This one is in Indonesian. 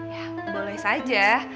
ya boleh saja